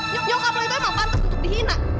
nyokap lo itu emang pantas untuk dihina